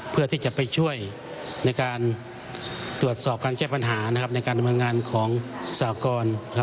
เพื่อที่จะไปช่วยในการตรวจสอบการแก้ปัญหาในการดำเนินงานของสากร